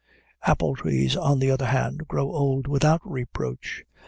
Apple trees, on the other hand, grow old without reproach.